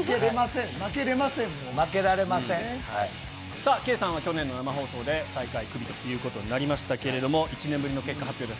さあ、圭さんは去年の生放送で最下位、クビということになりましたけれども、１年ぶりの結果発表です。